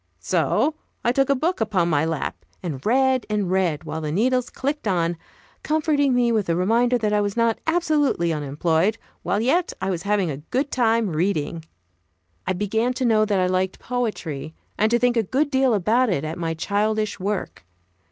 So I took a book upon my lap and read, and read, while the needles clicked on, comforting me with the reminder that I was not absolutely unemployed, while yet I was having a good time reading. I began to know that I liked poetry, and to think a good deal about it at my childish work.